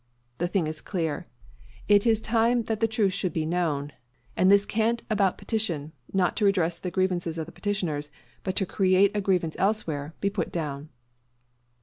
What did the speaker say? The thing is clear. It is time that the truth should be known, and this cant about petition, not to redress the grievances of the petitioners, but to create a grievance elsewhere, be put down....